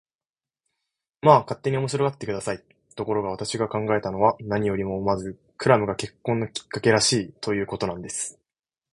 まあ、勝手に面白がって下さい。ところが、私が考えたのは、何よりもまずクラムが結婚のきっかけらしい、ということなんです。